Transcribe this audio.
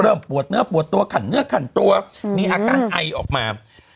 ปวดเนื้อปวดตัวขันเนื้อขันตัวมีอาการไอออกมา